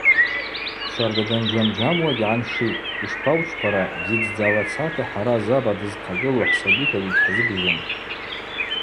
Щарда данджьамджьамуагьи гӏаншитӏ, йшпаучпара, бзидздзагӏвацата хӏара заба дызхъагылу хӏсабиквагьи гьхӏзыбжьум.